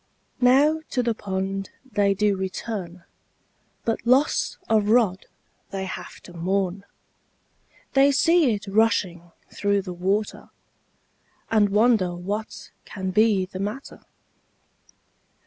Now to the pond they do return, But loss of rod they have to mourn, They see it rushing through the water, And wonder what can be the matter.